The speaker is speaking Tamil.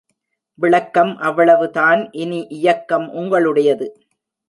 விளக்கம் அவ்வளவுதான் இனி இயக்கம் உங்களுடையது.